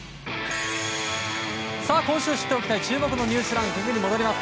今週知っておきたい注目のニュースランキングに戻ります。